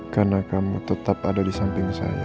karena kamu tetap ada di samping saya